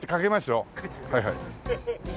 はいはい。